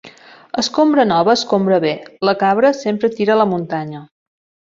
Escombra nova escombra bé. La cabra sempre tira a la muntanya.